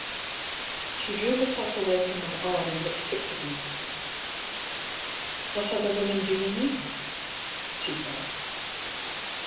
She drew herself away from my arm and looked fixedly at me. " What other women do you mean ?" she said.